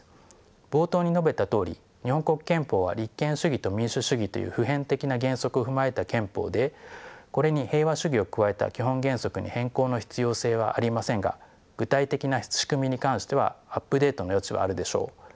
冒頭に述べたとおり日本国憲法は立憲主義と民主主義という普遍的な原則を踏まえた憲法でこれに平和主義を加えた基本原則に変更の必要性はありませんが具体的な仕組みに関してはアップデートの余地はあるでしょう。